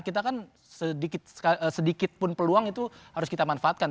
kita kan sedikit pun peluang itu harus kita manfaatkan